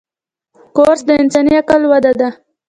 کورس د انساني عقل وده ده.